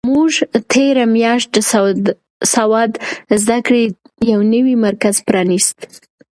موږ تېره میاشت د سواد زده کړې یو نوی مرکز پرانیست.